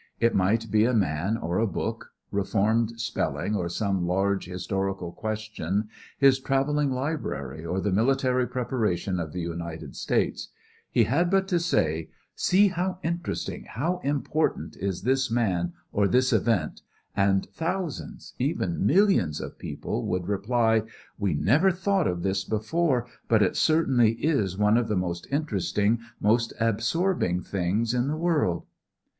It might be a man or a book, reformed spelling or some large historical question, his traveling library or the military preparation of the United States, he had but to say, "See how interesting, how important, is this man or this event!" and thousands, even millions, of people would reply, "We never thought of this before, but it certainly is one of the most interesting, most absorbing things in the world."